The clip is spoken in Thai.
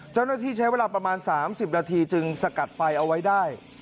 เจ้าหน้าที่ใช้เวลาประมาณ๓๐นาทีจึงสกัดไฟเอาไว้ได้